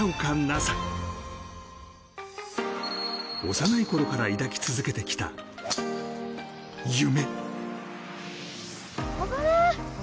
幼いころから抱き続けてきた夢。